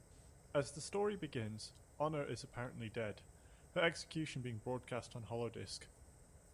As the story begins, Honor is apparently dead, her "execution" being broadcast on holo-disc.